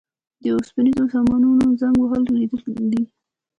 د اوسپنیزو سامانونو زنګ وهل لیدلي دي.